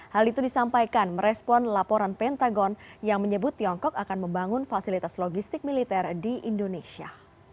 hal itu disampaikan merespon laporan pentagon yang menyebut tiongkok akan membangun fasilitas logistik militer di indonesia